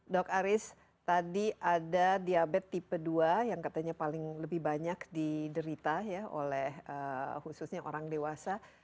dok aris tadi ada diabetes tipe dua yang katanya paling lebih banyak diderita ya oleh khususnya orang dewasa